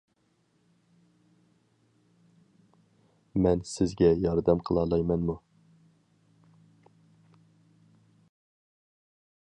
مەن سىزگە ياردەم قىلالايمەنمۇ؟